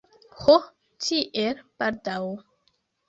Ho, tiel baldaŭ!